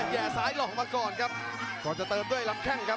แย่ซ้ายหลอกมาก่อนครับก่อนจะเติมด้วยลำแข้งครับ